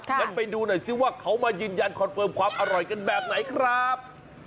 งั้นไปดูหน่อยซิว่าเขามายืนยันคอนเฟิร์มความอร่อยกันแบบไหนครับ